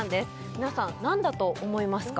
皆さんなんだと思いますか？